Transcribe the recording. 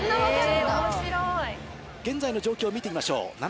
現在の状況を見てみましょう。